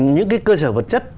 những cái cơ sở vật chất